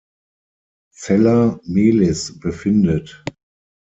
Zella-Mehlis befindet.